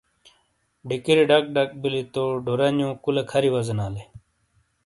ڈِکیری ڈَکڈک بیلی تو ڈورانیو کُلے کھَری وازینالے۔